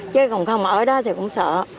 chứ không ở đó thì cũng sợ